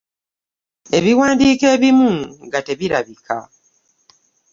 Ebiwandiiko ebimu nga tebirabika!